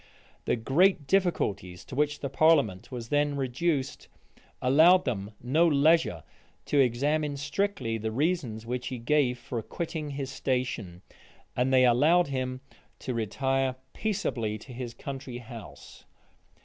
The great difficulties to which the parliament was then reduced, allowed them no leisure to examine strictly the reasons which he gave for quitting his station; and they allowed him to retire peaceably to his country house.